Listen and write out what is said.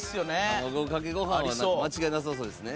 卵かけご飯は間違いなさそうですね。